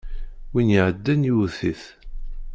Win iɛeddan yewwet-it.